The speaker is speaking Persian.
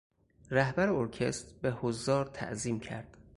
رهبر ارکستر به حضار تعظیم کرد.